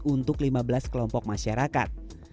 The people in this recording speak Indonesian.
untuk lima belas kelompok masyarakat